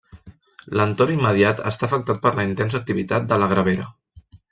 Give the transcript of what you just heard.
L'entorn immediat està afectat per la intensa activitat de la gravera.